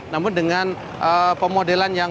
namun dengan pemodelan yang